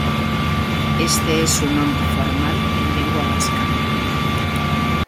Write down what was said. Este es su nombre formal en lengua vasca.